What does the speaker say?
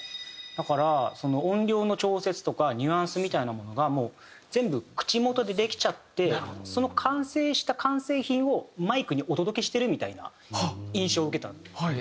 だから音量の調節とかニュアンスみたいなものがもう全部口元でできちゃってその完成した完成品をマイクにお届けしてるみたいな印象を受けたんです。